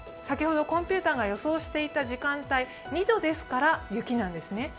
先ほどコンピューターが予想していた時間帯２度ですから、雪なんですね。